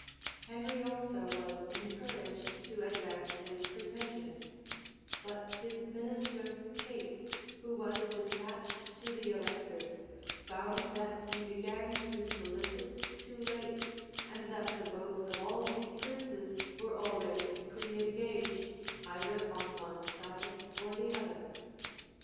Henry also was encouraged to advance his pretensions; but his minister Pace, who was despatched to the electors, found that he began to solicit too late, and that the votes of all these princes were already preëngaged either on one side or the other.